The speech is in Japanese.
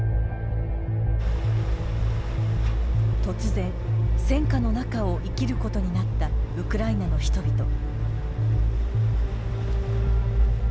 突然戦火の中を生きることになったウクライナの人々。